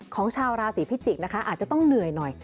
ของชาวราศีพิจิกษ์นะคะอาจจะต้องเหนื่อยหน่อย